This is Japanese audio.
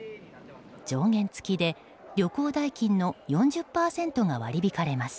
上限付きで旅行代金の４０％が割り引かれます。